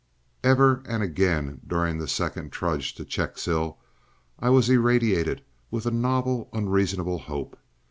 Ever and again during that second trudge to Checkshill I was irradiated with a novel unreasonable hope.